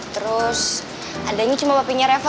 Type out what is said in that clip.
terus adanya cuma papinya reva